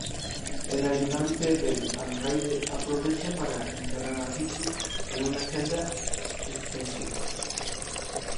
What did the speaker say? El ayudante del alcaide aprovecha para encerrar a Ricky en una celda especia.